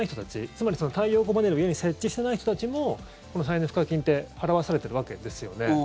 つまり、太陽光パネルを家に設置していない人たちもこの再エネ賦課金って払わされているわけですよね。